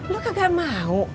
lo kagak mau